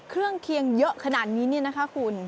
เครื่องเคียงเยอะขนาดนี้นี่นะคะคุณ